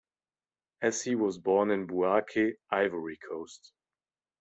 Essy was born in Bouake, Ivory Coast.